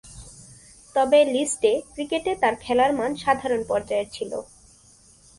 তবে, list A ক্রিকেটে তার খেলার মান সাধারণ পর্যায়ের ছিল।